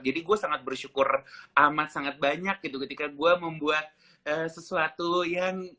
jadi gue sangat bersyukur amat sangat banyak gitu ketika gue membuat sesuatu yang